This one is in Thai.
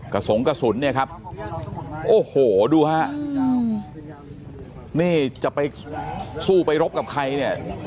สงกระสุนเนี่ยครับโอ้โหดูฮะนี่จะไปสู้ไปรบกับใครเนี่ย